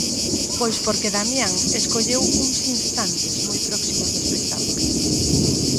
Pois porque Damián escolleu uns instantes moi próximos do espectador.